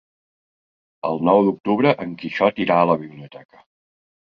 El nou d'octubre en Quixot irà a la biblioteca.